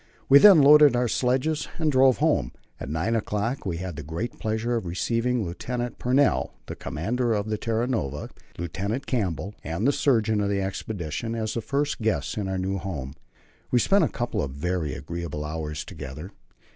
We then loaded our sledges and drove home. At nine o'clock we had the great pleasure of receiving Lieutenant Pennell, the commander of the Terra Nova, Lieutenant Campbell, and the surgeon of the expedition, as the first guests in our new home. We spent a couple of very agreeable hours together.